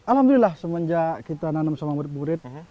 alhamdulillah semenjak kita nanam sama murid murid